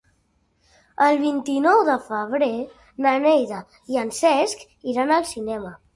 El vint-i-nou de febrer na Neida i en Cesc iran al cinema.